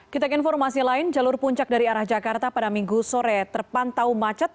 kita ke informasi lain jalur puncak dari arah jakarta pada minggu sore terpantau macet